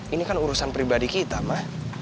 ini kan urusan pribadi kita mah